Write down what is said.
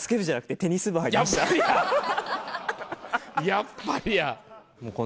やっぱりや。